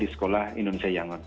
di sekolah indonesia yangon